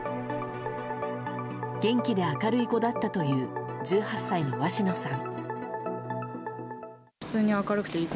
元気で明るい子だったという１８歳の鷲野さん。